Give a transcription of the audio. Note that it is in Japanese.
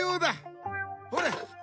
ほれ。